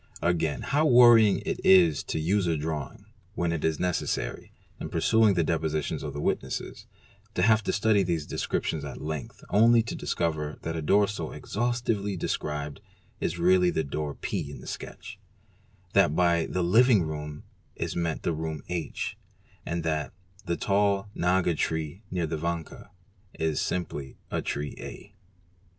Again how worrying it is to use a drawing, when it is necessary, in perusing the depositions of the witnesses, to have to study these descriptions at length, only to discover hat a door so exhaustively described is really the door P in the sketch, th at by the "living room'"' is meant the room H, and that "the tall "aga tree near the vanka'' is simply the tree A.